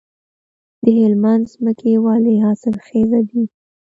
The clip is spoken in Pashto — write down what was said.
د هلمند ځمکې ولې حاصلخیزه دي؟